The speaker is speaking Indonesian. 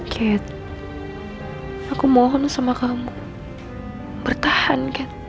kated aku mohon sama kamu bertahan